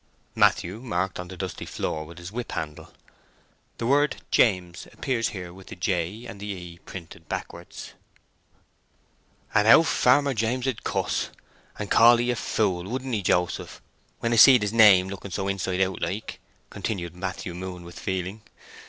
Matthew marked on the dusty floor with his whip handle [Illustration: The word J A M E S appears here with the "J", "E", and "S" printed backwards] "And how Farmer James would cuss, and call thee a fool, wouldn't he, Joseph, when 'a seed his name looking so inside out like?" continued Matthew Moon with feeling.